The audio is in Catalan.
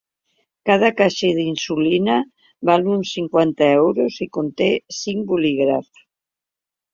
Cada caixa d’insulina val uns cinquanta euros i conté cinc bolígrafs.